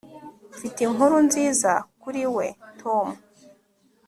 mfite inkuru nziza kuri wewe, tom